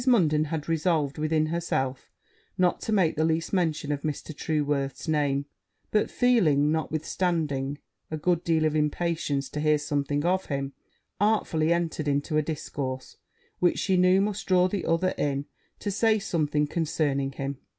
Munden had resolved within her self not to make the least mention of Mr. Trueworth's name; but feeling, notwithstanding, a good deal of impatience to hear something of him, artfully entered into a discourse which she knew must draw the other in to say something concerning him.